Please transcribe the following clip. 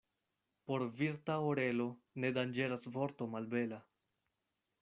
Por virta orelo ne danĝeras vorto malbela.